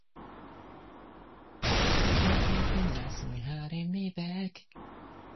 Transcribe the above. Far Hills is a dry town where alcohol cannot be sold.